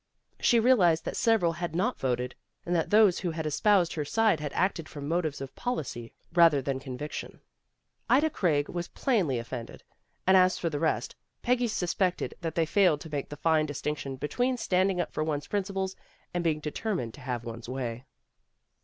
She realized that several had not voted, and that those who had espoused her side had acted from motives of policy rather than conviction. Ida Craig was 264 PEGGY RAYMOND'S WAY plainly offended, and as for the rest, Peggy suspected that they failed to make the fine distinction between standing up for one's principles and being determined to have one's way.